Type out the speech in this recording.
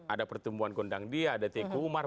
ada pertumbuhan kondang dia ada teku umar